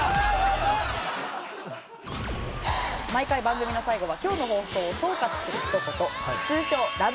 毎回番組の最後は今日の放送を総括するひと言通称ラブ！！